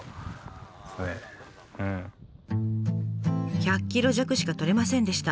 １００ｋｇ弱しかとれませんでした。